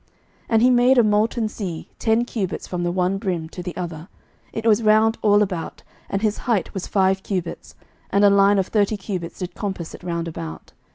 11:007:023 And he made a molten sea, ten cubits from the one brim to the other: it was round all about, and his height was five cubits: and a line of thirty cubits did compass it round about.